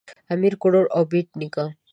امیر کروړ او بېټ نیکه